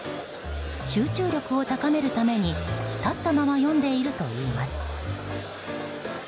集中力を高めるために立ったまま読んでいるといいます。